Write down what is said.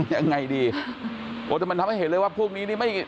ยังไงดีโอ้แต่มันทำให้เห็นเลยว่าพวกนี้นี่ไม่